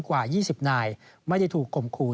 กว่า๒๐นายไม่ได้ถูกคมครู